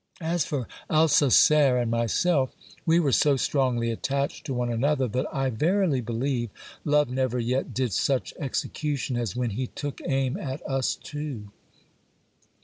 As for Alcacer and myself, we were so strongly attached to one another, that I verily believe, love never yet did such execution as when he took aim at us two.